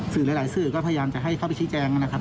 หลายสื่อก็พยายามจะให้เข้าไปชี้แจงนะครับ